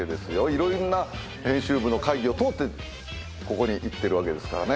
いろんな編集部の会議を通ってここにいってるわけですからね。